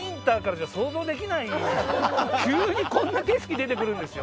急にこんな景色出てくるんですよ。